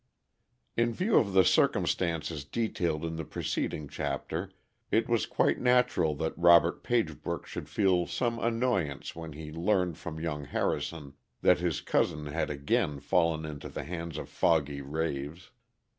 _ In view of the circumstances detailed in the preceding chapter, it was quite natural that Robert Pagebrook should feel some annoyance when he learned from young Harrison that his cousin had again fallen into the hands of Foggy Raves.